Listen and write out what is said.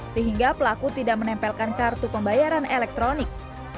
sehingga pelaku tidak menempelkan kartu pembayaran elektronik